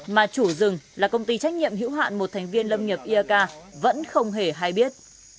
mà chủ rừng là công ty trách nhiệm hữu hạn một thành viên lâm nghiệp iak vẫn không hề hay biết